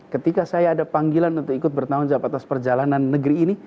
ketika saya ada panggilan untuk ikut bertanggung jawab atas perjalanan negeri ini